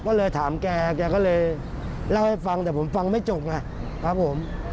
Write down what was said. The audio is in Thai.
ก็เลยถามแกแกก็เลยเล่าให้ฟังแต่ผมฟังไม่จบไงครับผม